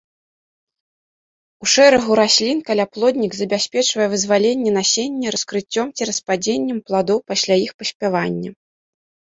У шэрагу раслін каляплоднік забяспечвае вызваленне насення раскрыццём ці распадзеннем пладоў пасля іх паспявання.